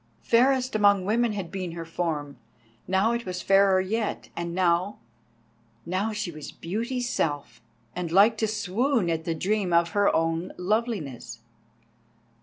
Fairest among women had been her form, now it was fairer yet, and now—now she was Beauty's self, and like to swoon at the dream of her own loveliness.